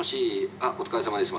あっお疲れさまです